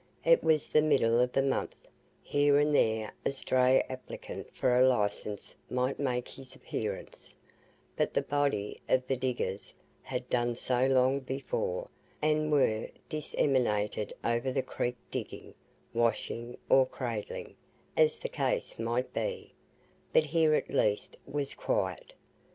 It was the middle of the month; here and there a stray applicant for a licence might make his appearance, but the body of the diggers had done so long before, and were disseminated over the creek digging, washing, or cradling, as the case might be, but here at least was quiet.